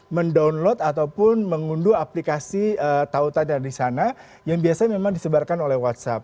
mendownload ataupun mengunduh aplikasi tautan dari sana yang biasanya memang disebarkan oleh whatsapp